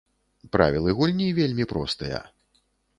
Правілы гульні вельмі простыя.